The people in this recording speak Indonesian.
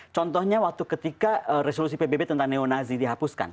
contohnya waktu ketika resolusi pbb tentang neo nazi dihapuskan